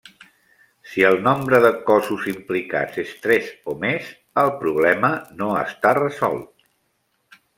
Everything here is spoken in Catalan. Si el nombre de cossos implicats és tres o més el problema no està resolt.